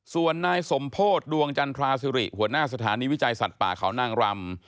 ส่วนนายสมโพธิดวงจันทราศิริหัวหน้าสถานีวิจัยสัตว์ป่าเขานางรำ